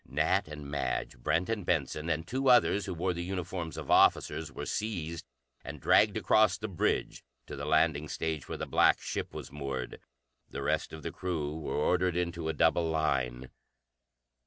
Nat and Madge, Brent and Benson, and two others who wore the uniforms of officers were seized and dragged across the bridge to the landing stage where the black ship was moored. The rest of the crew were ordered into a double line.